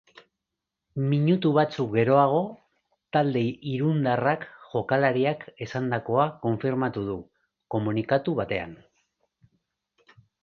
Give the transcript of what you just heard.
Minutu batzuk geroago, talde irundarrak jokalariak esandakoa konfirmatu du komunikatu batean.